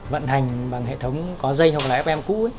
vận hành bằng hệ thống có dây hoặc là fm cũ